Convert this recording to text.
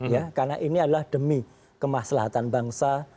ya karena ini adalah demi kemaslahatan bangsa